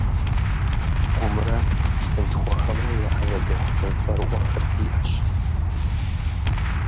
Гумрэ лъынтхуэхэмрэ еӏэзэ дохутыр цӏэрыӏуэхэр диӏэщ.